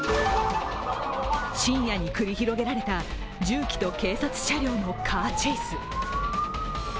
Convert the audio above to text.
深夜に繰り広げられた重機と警察車両のカーチェイス。